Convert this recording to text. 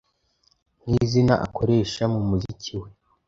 nk’izina akoresha mu muziki we.